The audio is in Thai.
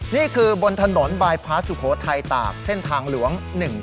นี่คือบนถนนบายพลาสสุโขทัยตากเส้นทางหลวง๑๙